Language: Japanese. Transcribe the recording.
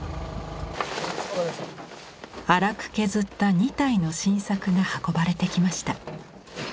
粗く削った２体の新作が運ばれてきました。